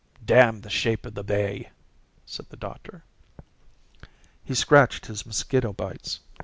"Damn the shape of the bay," said the doctor. He scratched his mosquito bites.